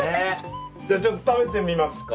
じゃちょっと食べてみますか。